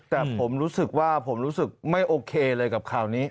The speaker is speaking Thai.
แต่ผมรู้สึกว่าผมรู้สึกไม่โอเคเลยกับข่าวนี้